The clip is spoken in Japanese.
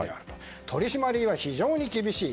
取り締まりは非常に厳しい。